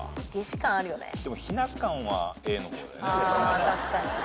あ確かに。